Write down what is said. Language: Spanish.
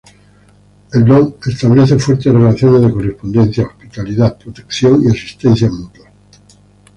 El don establece fuertes relaciones de correspondencia, hospitalidad, protección y asistencia mutuas...